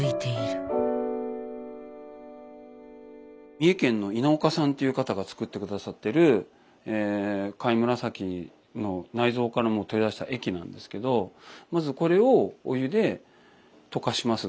三重県の稲岡さんっていう方が作って下さってる貝紫の内臓から取り出した液なんですけどまずこれをお湯で溶かします。